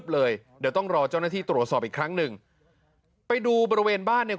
เลยเดี๋ยวต้องรอเจ้าหน้าที่ตรวจสอบอีกครั้งหนึ่งไปดูบริเวณบ้านเนี่ย